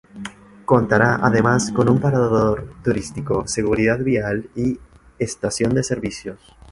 Contara además con parador turístico, seguridad vial y estación de servicios.